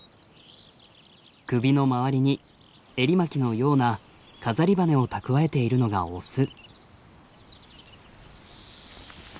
首の周りにエリマキのような飾り羽根を蓄えているのがオス。